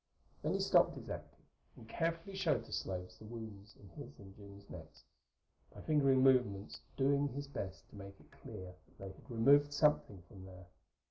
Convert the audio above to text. Then he stopped his acting and carefully showed the slaves the wounds in his and Jim's necks, by finger movements doing his best to make it clear that they had removed something from there.